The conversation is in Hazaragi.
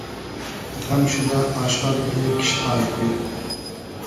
غئم شودۂ آشار بئلې کیشتای دیل